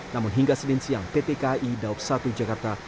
namun hingga sedin siang pt ki daup satu jakarta